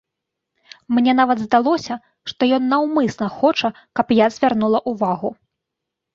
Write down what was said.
Мне нават здалося, што ён наўмысна хоча, каб я звярнула ўвагу.